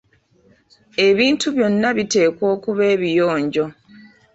Ebintu byonna biteekwa okuba ebiyonjo.